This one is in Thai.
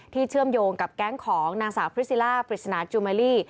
เชื่อมโยงกับแก๊งของนางสาวพริซิล่าปริศนาจูเมลี่